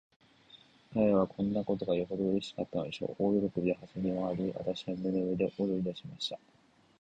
彼等はこんなことがよほどうれしかったのでしょう。大喜びで、はしゃぎまわり、私の胸の上で踊りだしました。